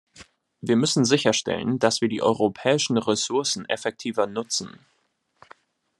Wir müssen sicherstellen, dass wir die europäischen Ressourcen effektiver nutzen.